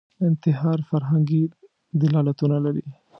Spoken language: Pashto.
انتحار فرهنګي دلالتونه لري